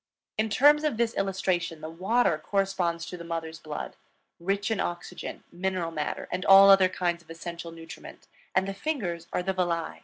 In terms of this illustration, the water corresponds to the mother's blood, rich in oxygen, mineral matter, and all other kinds of essential nutriment; and the fingers are the villi.